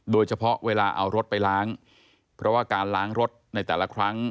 เวลาเอารถไปล้างเพราะว่าการล้างรถในแต่ละครั้ง